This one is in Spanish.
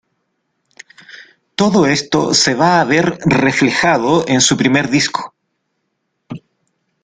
Todo esto se va a ver reflejado en su primer disco.